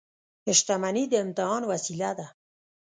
• شتمني د امتحان وسیله ده.